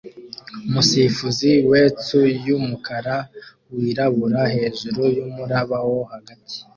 Umusifuzi wetsu yumukara wirabura hejuru yumuraba wo hagati